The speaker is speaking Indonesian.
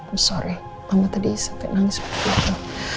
maaf mama tadi sampai nangis begitu